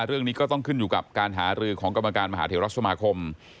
เรื่องนี้ก็ต้องขึ้นอยู่กับการหารือของกรรมการมหาเทราสมาคม